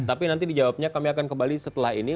tapi nanti dijawabnya kami akan kembali setelah ini